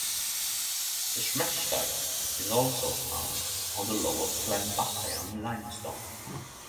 The Smectite is also found on the lower Pliensbachian Limestone.